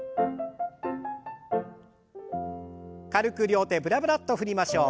軽く両手ブラブラッと振りましょう。